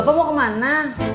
bapak mau ke mana